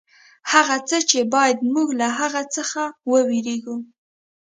هغه څه چې باید موږ له هغه څخه وېرېږو.